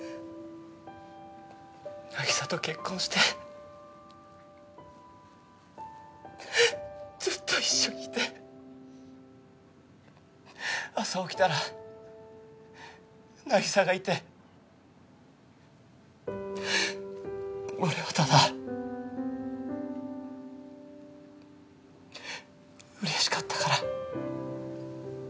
凪沙と結婚してずっと一緒にいて朝起きたら凪沙がいて俺はただ嬉しかったから。